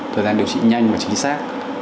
thời gian điều trị nhanh và chính xác